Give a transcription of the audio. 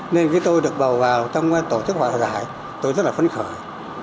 nên với tôi được bầu vào trong tổ chức hòa giải tôi rất là phấn khởi